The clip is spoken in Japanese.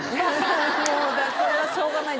それはしょうがない